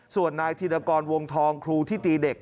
ส่วนนายธิรกรวงทองครูที่ตีเด็ก